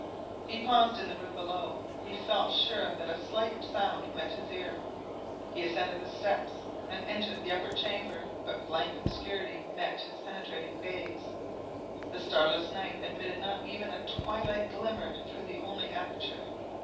He paused in the room below; he felt sure that a slight sound met his ear. He ascended the steps, and entered the upper chamber; but blank obscurity met his penetrating gaze, the starless night admitted not even a twilight glimmer through the only aperture.